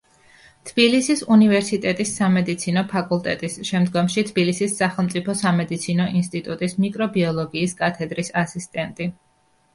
თბილისის უნივერსიტეტის სამედიცინო ფაკულტეტის, შემდგომში თბილისის სახელმწიფო სამედიცინო ინსტიტუტის მიკრობიოლოგიის კათედრის ასისტენტი.